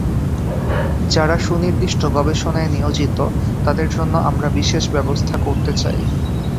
যাঁরা সুনির্দিষ্ট গবেষণায় নিয়োজিত, তাঁদের জন্য আমরা বিশেষ ব্যবস্থা করতে চাই।